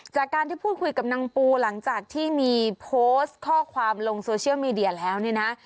จากการที่พูดคุยกับนางปูหลังจากที่มีโพสต์ข้อความลงโซเชียลมีเดียแล้วเนี่ยนะ